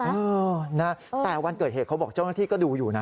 เออนะแต่วันเกิดเหตุเขาบอกเจ้าหน้าที่ก็ดูอยู่นะ